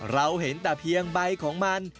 เราเห็นแต่เพียงใบของมัน